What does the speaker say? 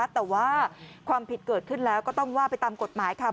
แต่ว่าความผิดเกิดขึ้นแล้วก็ต้องว่าไปตามกฎหมายค่ะ